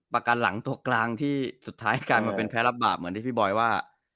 ประกันหลังตัวกลางที่สุดท้ายกลายมาเป็นแพ้รับบาปเหมือนที่พี่บอยว่า